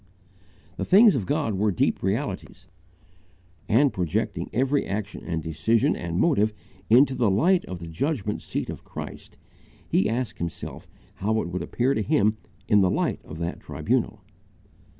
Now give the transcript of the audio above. The things of God were deep realities, and, projecting every action and decision and motive into the light of the judgment seat of Christ, he asked himself how it would appear to him in the light of that tribunal.